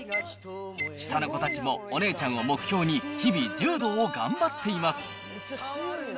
下の子たちもお姉ちゃんを目標に、日々、柔道を頑張っています。